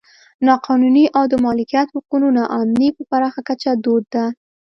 نا قانوني او د مالکیت حقونو نا امني په پراخه کچه دود ده.